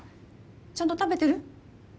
ちゃんと食べてる？